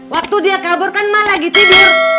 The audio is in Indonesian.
waktu dia kabur kan mah lagi tidur